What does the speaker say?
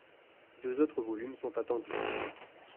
Deux autres volumes sont attendus.